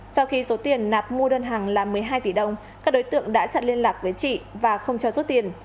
sau khi số tiền nạp mua đơn hàng là một mươi hai tỷ đồng các đối tượng đã chặn liên lạc với chị và không cho rút tiền